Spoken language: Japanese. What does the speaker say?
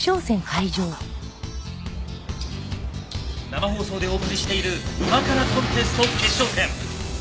生放送でお送りしている『旨辛コンテスト決勝戦』。